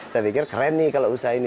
saya pikir keren nih kalau usaha ini